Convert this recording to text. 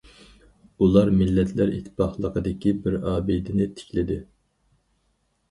ئۇلار مىللەتلەر ئىتتىپاقلىقىدىكى بىر ئابىدىنى تىكلىدى.